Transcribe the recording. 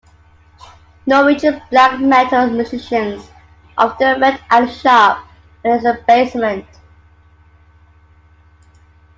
Norwegian black metal musicians often met at the shop and in its basement.